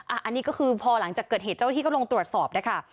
อันนี้ก็คือพอหลังจากเกิดเหตุเจ้าที่ก็ลงตรวจสอบนะคะ